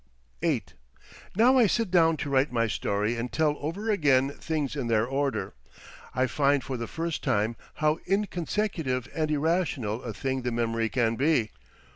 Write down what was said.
VIII Now I sit down to write my story and tell over again things in their order, I find for the first time how inconsecutive and irrational a thing the memory can be.